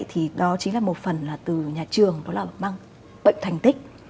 thì đó chính là một phần là từ nhà trường đó là mang bệnh thành tích